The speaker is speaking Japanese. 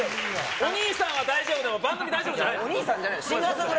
お兄さんは大丈夫でも、お兄さんじゃない。